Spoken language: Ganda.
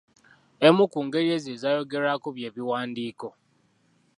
Emu ku ngeri ezo ezaayogerwako byebiwandiiko.